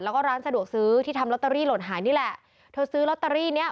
แล้วก็ร้านสะดวกซื้อที่ทำลอตเตอรี่หล่นหายนี่แหละเธอซื้อลอตเตอรี่เนี้ย